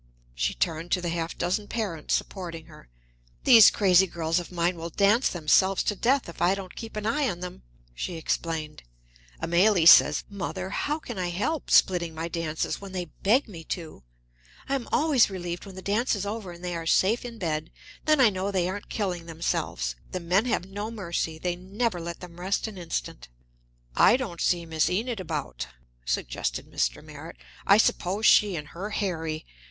She turned to the half dozen parents supporting her. "These crazy girls of mine will dance themselves to death if I don't keep an eye on them," she explained. "Amélie says, 'Mother, how can I help splitting my dances, when they beg me to?' I am always relieved when the dance is over and they are safe in bed then I know they aren't killing themselves. The men have no mercy they never let them rest an instant." "I don't see Miss Enid about," suggested Mr. Merritt. "I suppose she and her Harry